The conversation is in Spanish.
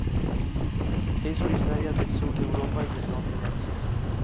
Es originaria del sur de Europa y el Norte de África.